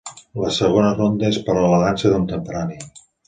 La segona ronda és per a la dansa contemporània.